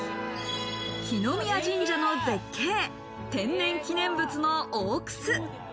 來宮神社の絶景、天然記念物の大楠。